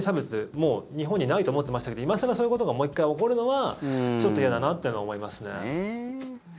もう日本にないと思ってましたけど今更そういうことがもう１回起こるのはちょっと嫌だなっていうのは思いますね。